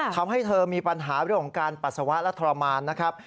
ทำให้เธอมีปัญหาเรื่องของการปัสสาวะและทรมานนะครับ